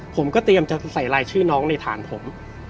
ผมก็เตรียมจะใส่ลายชื่อน้องในฐานผม